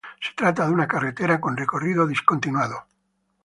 Se trata de una carretera con recorrido discontinuado.